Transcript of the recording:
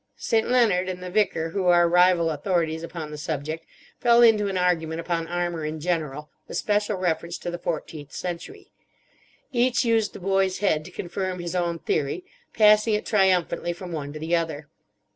St. Leonard and the Vicar, who are rival authorities upon the subject, fell into an argument upon armour in general, with special reference to the fourteenth century. Each used the boy's head to confirm his own theory, passing it triumphantly from one to the other.